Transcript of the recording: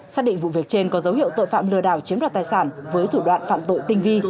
xác định vụ việc trên có dấu hiệu tội phạm lừa đảo chiếm đoạt tài sản với thủ đoạn phạm tội tinh vi